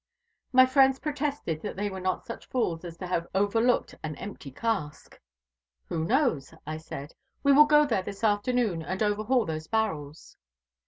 My friends protested that they were not such fools as to have overlooked an empty cask. 'Who knows?' I said; 'we will go there this afternoon and overhaul those barrels.'